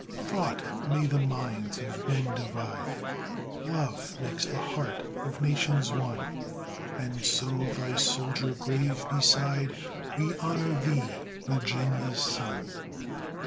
Thought may the minds of men divide, Love makes the heart of nations one, And so, thy soldier grave beside, We honor thee, Virginia's son.